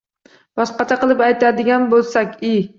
Boshqacha qilib aytadigan bo‘lsak, i